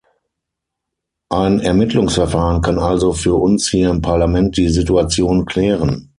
Ein Ermittlungsverfahren kann also für uns hier im Parlament die Situation klären.